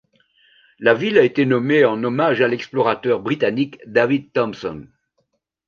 La ville a été nommée en hommage à l’explorateur britannique David Thompson.